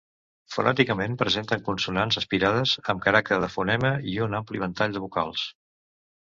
Fonèticament, presenten consonants aspirades amb caràcter de fonema i un ampli ventall de vocals.